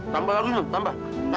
tambah lagi tambah